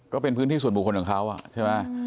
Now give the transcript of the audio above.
ก็เป็นพื้นที่ส่วนบุคคลของเขาใช่ไหม